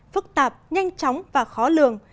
phức tạp nhanh chóng và khó lường